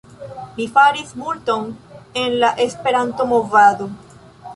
Mi faris multon en la Esperanto-movado